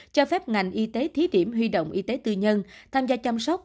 cho phép ngành y tế thí điểm huy động y tế tư nhân tham gia chăm sóc